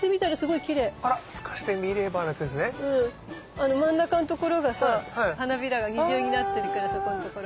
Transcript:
あの真ん中のところがさ花びらが二重になってるからそこんところ。